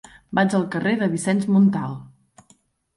Vaig al carrer de Vicenç Montal.